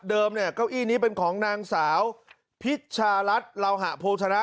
เนี่ยเก้าอี้นี้เป็นของนางสาวพิชชารัฐลาวหะโพชนะ